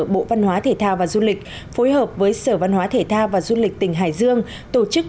bộ văn hóa thể thao và du lịch phối hợp với sở văn hóa thể thao và du lịch tỉnh hải dương tổ chức